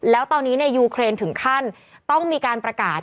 แล้วตอนนี้ยูเครนถึงขั้นต้องมีการประกาศ